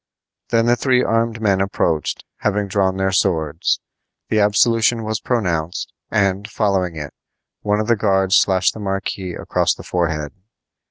Then the three armed men approached, having drawn their swords. The absolution was pronounced; and, following it, one of the guards slashed the marquis across the forehead.